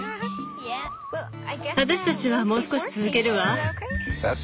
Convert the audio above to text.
私たちはもう少し続けるわ。